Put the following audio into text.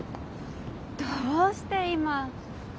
どうして今？